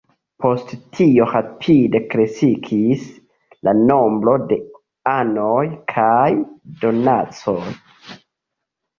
Post tio rapide kreskis la nombro de anoj kaj donacoj.